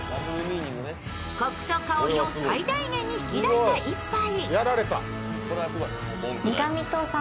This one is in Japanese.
コクと香りを最大限に引き出した１杯。